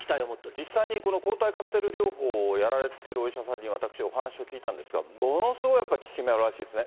実際にこの抗体カクテル療法をやられているお医者さんに私、お話を聞いたんですが、ものすごいやっぱり効き目があるらしいですね。